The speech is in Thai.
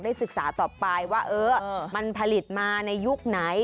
ศึกษาต่อไปว่าเออมันผลิตมาในยุคไหน